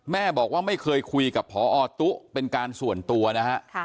แม่บอกว่าไม่เคยคุยกับพอตุ๊เป็นการส่วนตัวนะฮะ